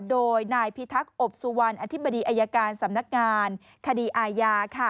โดยนายพิทักษ์อบสุวรรณอธิบดีอายการสำนักงานคดีอาญา